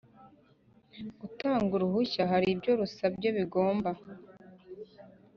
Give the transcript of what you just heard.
Gutanga uruhushya hari ibyo rusabye bigomba